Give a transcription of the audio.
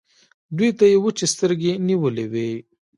دوی ته يې وچې سترګې نيولې وې.